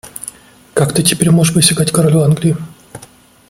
Как ты теперь можешь присягать королю Англии?